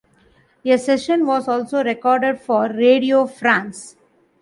A session was also recorded for Radio France.